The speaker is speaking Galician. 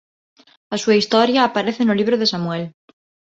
A súa historia aparece no Libro de Samuel.